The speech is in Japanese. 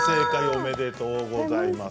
おめでとうございます。